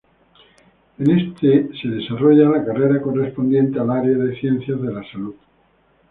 En este se desarrolla la carrera correspondiente al área de ciencias de la salud.